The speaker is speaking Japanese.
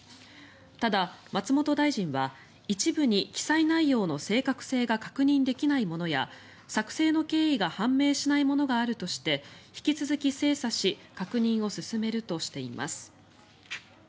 ただ、松本大臣は一部に記載内容の正確性が確認できないものや作成の経緯が判明しないものがあるとして引き続き精査し確認を進めるとしています。